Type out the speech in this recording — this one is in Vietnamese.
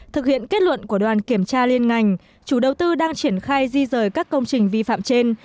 thực hiện kết luận của đoàn kiểm tra liên ngành chủ đầu tư đang triển khai di rời các công trình vi phạm trên